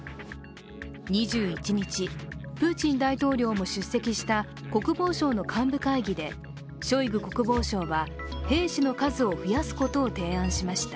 ２１日、プーチン大統領も出席した国防省の幹部会議でショイグ国防相は兵士の数を増やすことを提案しました。